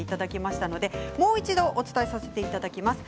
そこで、もう一度お伝えさせていただきます。